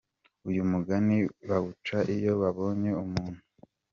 Uyu mugani bawuca iyo babonye umuntu?